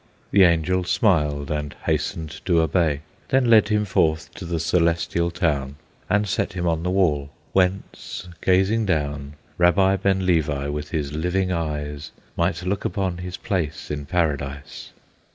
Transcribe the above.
The Angel smiled and hastened to obey, Then led him forth to the Celestial Town, And set him on the wall, whence, gazing down, Rabbi Ben Levi, with his living eyes, Might look upon his place in Paradise.